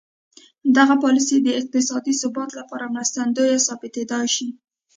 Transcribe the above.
دغه پالیسي د اقتصادي ثبات لپاره مرستندویه ثابتېدای شي.